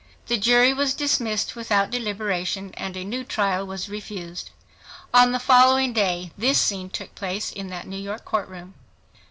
The jury was dismissed without deliberation and a new trial was refused. On the following day this scene took place in that New York court room.